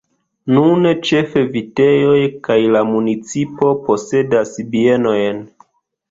Nune ĉefe vitejoj kaj la municipo posedas bienojn.